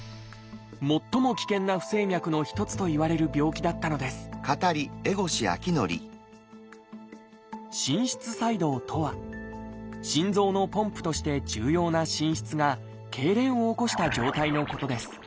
最も危険な不整脈の一つといわれる病気だったのです「心室細動」とは心臓のポンプとして重要な心室がけいれんを起こした状態のことです。